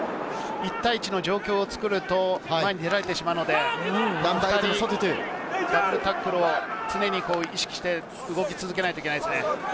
１対１の状況を作ると前に出られてしまうので、ダブルタックルを常に意識して、動き続けないといけないですね。